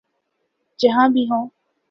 جہاں بھی ہوں۔